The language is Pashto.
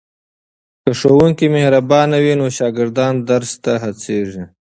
که ښوونکی مهربان وي نو شاګردان درس ته هڅېږي.